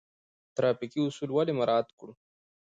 ټرافیکي اصول ولې مراعات کړو؟